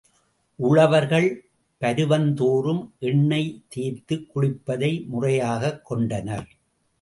உழவர்கள் பருவந்தோறும் எண்ணெய் தேய்த்துக் குளிப்பதை முறையாகக் கொண்டனர்.